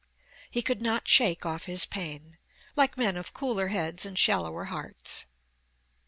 He could not shake off his pain, like men of cooler heads and shallower hearts.